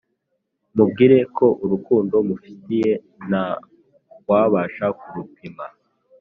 umubwire ko urukundo umufitiye nta n’uwabasha kurupima,